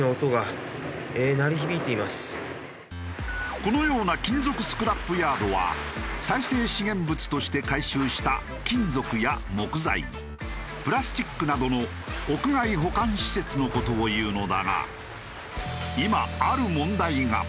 このような金属スクラップヤードは再生資源物として回収した金属や木材プラスチックなどの屋外保管施設の事をいうのだが今ある問題が。